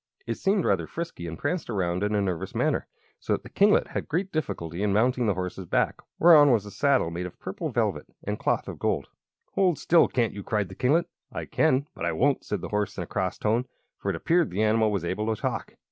It seemed rather frisky and pranced around in a nervous manner, so that the kinglet had great difficulty in mounting the horse's back, whereon was a saddle made of purple velvet and cloth of gold. "Hold still, can't you?" cried the kinglet. "I can; but I won't," said the horse, in a cross tone, for it appeared the animal was able to talk.